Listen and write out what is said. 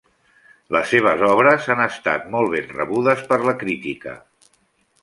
Les seves obres han estat molt ben rebudes per la crítica.